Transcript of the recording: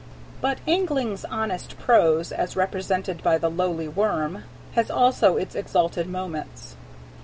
But angling's honest prose, as represented by the lowly worm, has also its exalted moments.